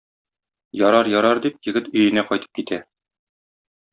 Ярар, ярар, - дип, егет өенә кайтып китә.